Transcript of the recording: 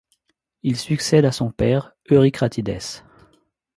Il succède à son père Eurycratidès.